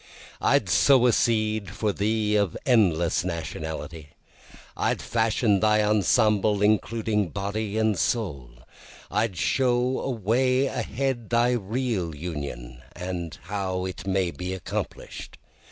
I'd sow a seed for thee of endless Nationality, I'd fashion thy ensemble including body and soul, I'd show away ahead thy real Union, and how it may be accomplish'd.